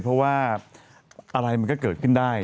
เพราะว่าอะไรมันก็เกิดขึ้นได้